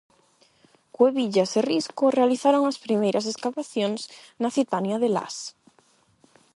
Cuevillas e Risco realizaron as primeiras escavacións na citania de Las.